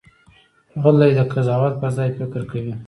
غلی، د قضاوت پر ځای فکر کوي.